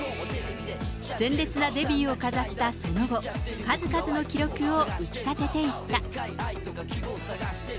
鮮烈なデビューを飾ったその後、数々の記録を打ち立てていった。